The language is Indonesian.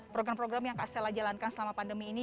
program program yang kak sela jalankan selama pandemi ini